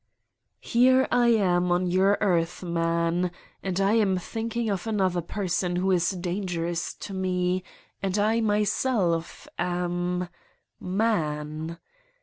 Here I am on your earth, man, and I am think ing of another person who is dangerous to me and I myself am man.